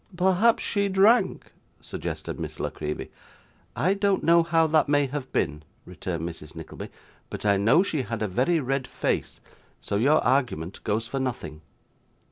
'Perhaps she drank,' suggested Miss La Creevy. 'I don't know how that may have been,' returned Mrs. Nickleby: 'but I know she had a very red face, so your argument goes for nothing.